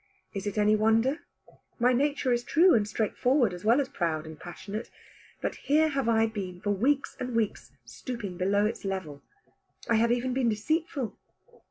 Is it any wonder? My nature is true and straight forward as well as proud and passionate. But here have I been, for weeks and weeks, stooping below its level. I have even been deceitful.